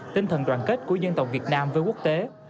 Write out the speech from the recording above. tinh thần đoàn kết của dân tộc việt nam với quốc tế